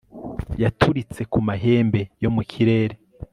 yaturitse ku mahembe yo mu kirere